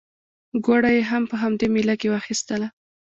ګوړه یې هم په همدې مېله کې واخیستله.